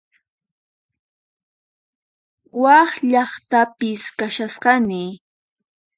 Wak llaqtapis kashasqani